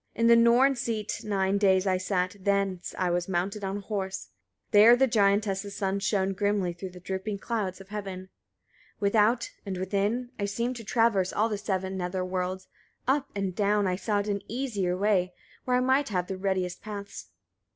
In the Norns' seat nine days I sat, thence I was mounted on a horse: there the giantess's sun shone grimly through the dripping clouds of heaven. 52. Without and within, I seemed to traverse all the seven nether worlds: up and down, I sought an easier way, where I might have the readiest paths.